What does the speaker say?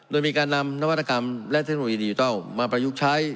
โดยมีการนำนวัตกรรมและเทคโนโลยีดิจิทัลมาประยุกต์ใช้